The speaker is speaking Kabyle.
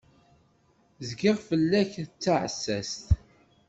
Zgiɣ-d fell-ak d taɛessast.